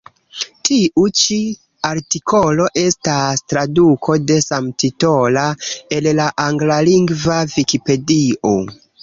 Tiu ĉi artikolo estas traduko de samtitola el la anglalingva Vikipedio.